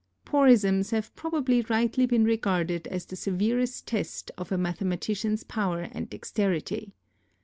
Porisms have probably rightly been regarded as the severest test of a mathematician's power and dexterity.